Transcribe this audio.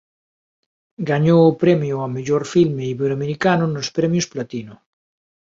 Gañou o premio ó mellor filme iberoamericano nos Premios Platino.